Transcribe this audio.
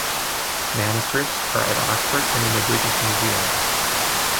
Manuscripts are at Oxford and in the British Museum.